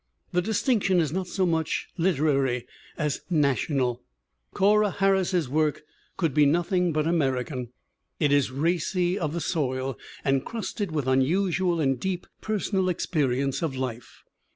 The distinction is not so much "literary" as national. Corra Harris's work could be nothing but American. It is racy of the soil, and crusted with unusual and deep personal experience of life.